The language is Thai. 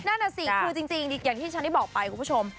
นั่นน่ะสิคือจริงอย่างที่ฉันได้บอกไปคุณผู้ชม